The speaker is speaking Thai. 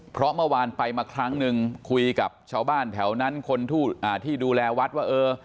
เพราะเมื่อวานไปมาครั้งนึงคุยกับชาวบ้านแถวนั้นคนที่ดูแลวัดว่าเออ